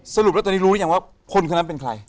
สรุปแล้วตอนนี้รู้หรือยังว่าคนคนนั้นเป็นใคร